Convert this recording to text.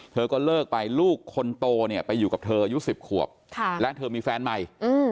เธอก็เลิกไปลูกคนโตเนี่ยไปอยู่กับเธออายุ๑๐ขวบและเธอมีแฟนใหม่